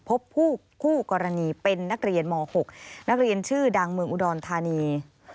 พบคู่กรณีเป็นนักเรียนม๖นักเรียนชื่อดังเมืองอุดรธานี